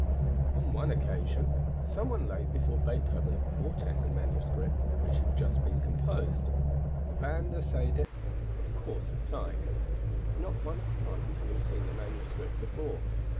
On one occasion, some one laid before Beethoven a quartet in manuscript which had just been composed. The band essayed it, of course at sight, not one of the party having seen the manuscript before.